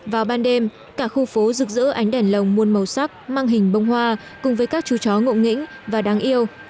vào ban đêm cả khu phố rực rỡ ánh đèn lồng muôn màu sắc mang hình bông hoa cùng với các chú chó ngộ nghĩnh và đáng yêu